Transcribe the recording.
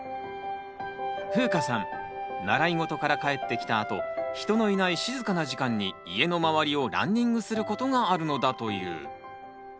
ふうかさん習い事から帰ってきたあと人のいない静かな時間に家の周りをランニングすることがあるのだという。